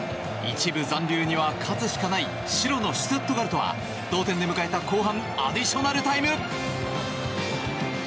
１部残留には勝つしかない白のシュツットガルトは同点で迎えた後半アディショナルタイム。